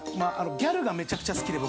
ギャルがめちゃくちゃ好きで僕。